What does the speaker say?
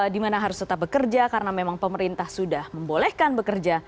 di mana harus tetap bekerja karena memang pemerintah sudah membolehkan bekerja